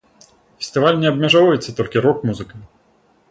Фестываль не абмяжоўваецца толькі рок-музыкай.